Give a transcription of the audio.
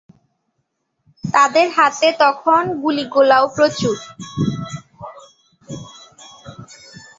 তাদের হাতে তখন গুলি-গোলাও প্রচুর।